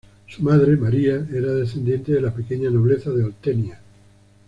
Su madre, Maria, era descendiente de la pequeña nobleza de Oltenia.